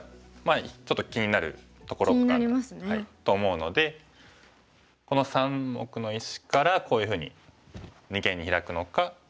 気になりますね。と思うのでこの３目の石からこういうふうに二間にヒラくのか。